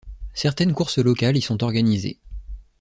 Certaines courses locales y sont organisées.